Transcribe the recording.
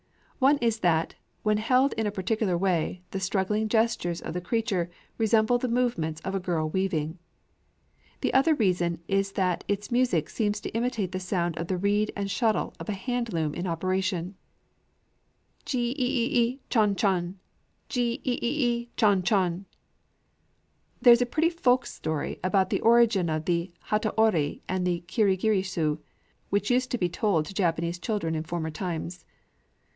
One is that, when held in a particular way, the struggling gestures of the creature resemble the movements of a girl weaving. The other reason is that its music seems to imitate the sound of the reed and shuttle of a hand loom in operation, Ji ï ï ï chon chon! ji ï ï ï chon chon! There is a pretty folk story about the origin of the hataori and the kirigirisu, which used to be told to Japanese children in former times.